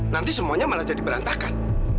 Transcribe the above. nanti semuanya malah jadi berantakan